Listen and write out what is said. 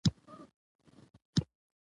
په اوږدو تونلونو ننوتلو او راوتلو.